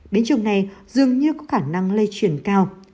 biến chủng này dường như có khả năng lây truyền cao